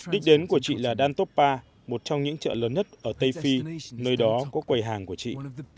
đích đến của chị là dantop pa một trong những chợ lớn nhất ở tây phi nơi đó có quầy hàng của chị